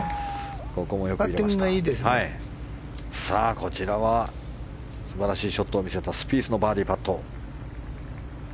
こちらは素晴らしいショットを見せたスピースのバーディーパット。